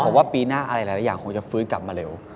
ผมว่าปีหน้าอะไรหลายอย่างคงจะฟื้นกลับมาเร็ว